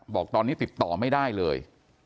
บอกตอนนี้ติดต่อไม่ได้เลย